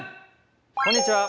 こんにちは。